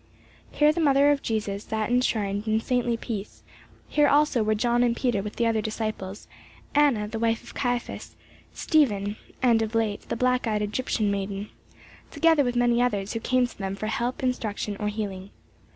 Here the mother of Jesus sat enshrined in saintly peace; here also were John and Peter with the other apostles; Anna, the wife of Caiaphas, Stephen, and of late the black eyed Egyptian maiden, together with many others who came to them for help, instruction, or healing.